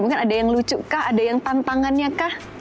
mungkin ada yang lucu kah ada yang tantangannya kah